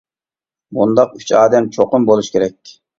مۇنداق ئۈچ ئادەم چوقۇم بولۇش كېرەك.